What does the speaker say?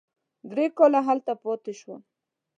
درې کاله هلته پاتې شوم.